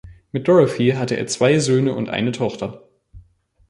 Mit Dorothy hatte er zwei Söhne und eine Tochter.